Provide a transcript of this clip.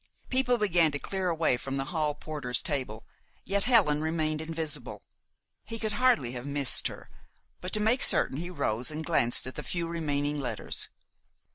People began to clear away from the hall porter's table; yet Helen remained invisible. He could hardly have missed her; but to make certain he rose and glanced at the few remaining letters.